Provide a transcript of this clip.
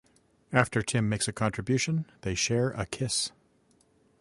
After Tim makes a contribution, they share a kiss.